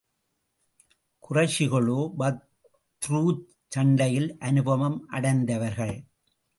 குறைஷிகளோ பத்ருச் சண்டையில் அனுபவம் அடைந்தவர்கள்.